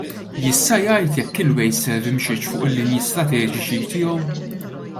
Jista' jgħid jekk il-Wasteserv imxietx fuq il-linji strateġiċi tiegħu?